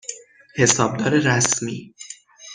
حسابدار رسمی